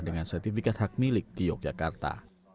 dengan sertifikat hak milik di yogyakarta